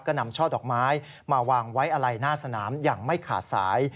ก็นำช่อดอกไม้มาวางไว้อะไรหน้าสนามอย่างไม่ขาดสาย